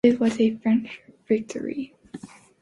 It was a French victory.